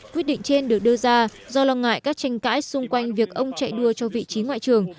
quyết định trên được đưa ra do lo ngại các tranh cãi xung quanh việc ông chạy đua cho vị trí ngoại trưởng